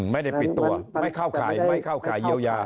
ไม่ได้ปิดตัวไม่เข้าข่ายเยียวยา